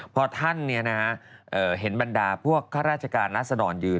พอท่านเห็นบรรดาพวกข้าราชการราศดรยืน